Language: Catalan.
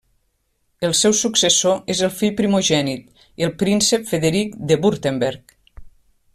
El seu successor és el seu fill primogènit, el príncep Frederic de Württemberg.